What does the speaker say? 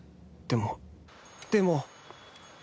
でもでも！